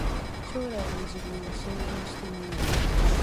将来の自分を想像してみよう